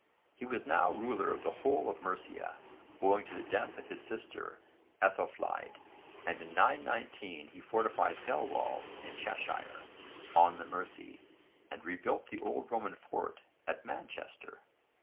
He was now ruler of the whole of Mercia owing to the death of his sister Aethelflæd, and in 919 he fortified Thelwall in Cheshire, on the Mersey, and rebuilt the old Roman fort at Manchester.